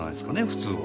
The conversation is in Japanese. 普通は。